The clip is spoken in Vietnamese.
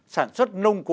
sản xuất nông cụ